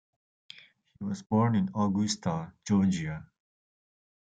He was born in Augusta, Georgia.